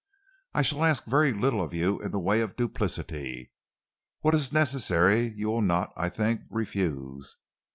I shall ask very little of you in the way of duplicity. What is necessary you will not, I think, refuse.